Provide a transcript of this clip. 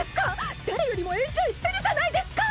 「誰よりもエンジョイしてるじゃないですか」